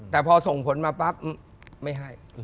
แต่พอส่งผลมาปั๊บไม่ให้